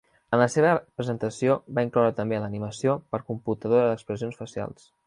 En la seva presentació va incloure també l'animació per computadora d'expressions facials.